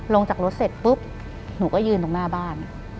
ลงจากรถเสร็จปุ๊บหนูก็ยืนตรงหน้าบ้าน